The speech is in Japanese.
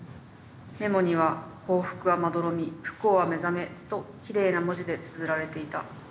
メモには『幸福はまどろみ不幸は目覚め』ときれいな文字でつづられていた」。